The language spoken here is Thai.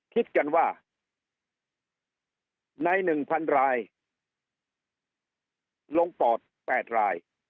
คิดกันว่าใน๑๐๐๐รายลงปอด๘ราย